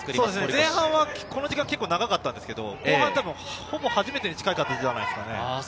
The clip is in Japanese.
前半はこの時間が結構長かったんですけれど、後半はほぼ初めてに近い形じゃないですか？